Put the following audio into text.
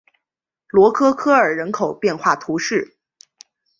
罗科科尔人口变化图示